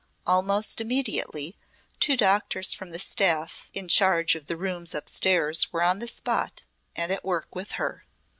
Almost immediately two doctors from the staff, in charge of the rooms upstairs were on the spot and at work with her.